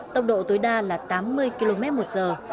tốc độ tối đa là tám mươi km một giờ